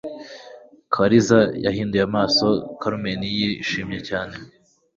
Kalisa yahinduye amaso Carmen yishimye cyane.